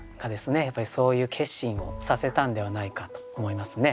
やっぱりそういう決心をさせたんではないかと思いますね。